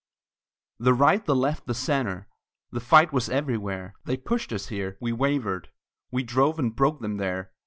The right, the left, the centre, The fight was everywhere; They pushed us here, we wavered, We drove and broke them there.